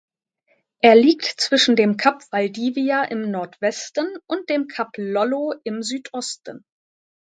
Er liegt zwischen dem Kap Valdivia im Nordwesten und dem Kap Lollo im Südosten.